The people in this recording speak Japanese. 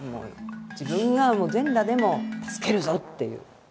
自分が全裸でも助けるぞっていう。